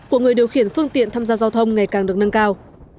của người điều khiển phương tiện tham gia giao thông ngày càng được nâng cao